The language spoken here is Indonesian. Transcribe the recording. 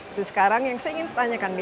itu sekarang yang saya ingin pertanyakan